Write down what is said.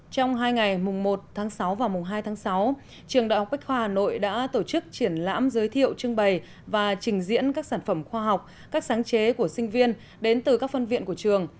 trong hai ngày mùng một tháng sáu và mùng hai tháng sáu trường đại học bách khoa hà nội đã tổ chức triển lãm giới thiệu trưng bày và trình diễn các sản phẩm khoa học các sáng chế của sinh viên đến từ các phân viện của trường